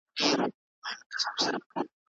خفګان د روغتیا لپاره زیان دی.